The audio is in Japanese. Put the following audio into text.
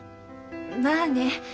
まあね